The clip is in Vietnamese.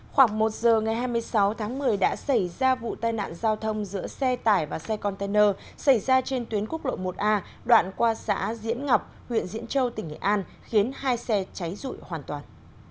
khoảng một giờ ngày hai mươi sáu tháng một mươi đã xảy ra vụ tai nạn giao thông giữa xe tải và xe container xảy ra trên tuyến quốc lộ một a đoạn qua xã diễn ngọc huyện diễn châu tỉnh nghệ an khiến hai xe cháy rụi hoàn toàn